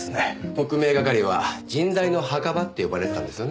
特命係は人材の墓場って呼ばれてたんですよね。